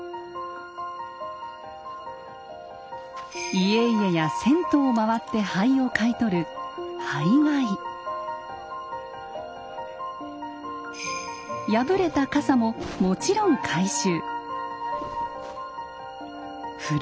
家々や銭湯を回って灰を買い取る破れた傘ももちろん回収。